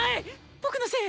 僕のせい？